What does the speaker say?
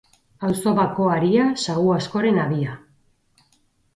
Auzo bako aria, sagu askoren habia.